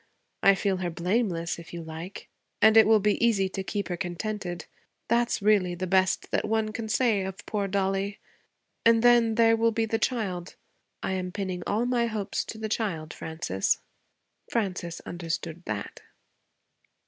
I feel her blameless if you like. And it will be easy to keep her contented. That is really the best that one can say of poor Dollie. And then, there will be the child. I am pinning all my hopes to the child, Frances.' Frances understood that.